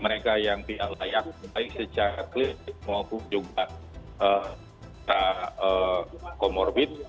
mereka yang tidak layak baik secara klinik maupun juga secara komorbid